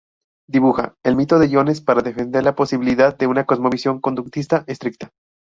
Dibuja "El mito de Jones" para defender la posibilidad de una cosmovisión conductista estricta.